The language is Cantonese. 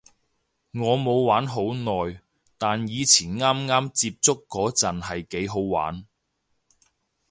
我冇玩好耐，但以前啱啱接觸嗰陣係幾好玩